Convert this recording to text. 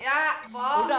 ya ampun kak